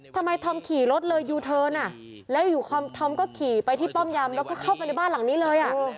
ทำไมธอมขี่รถเลยยูเทิร์นแล้วอยู่ธอมก็ขี่ไปที่ป้อมยำแล้วก็เข้าไปในบ้านหลังนี้เลย